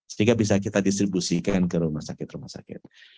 sehingga bisa kita distribusikan ke rumah sakit rumah sakit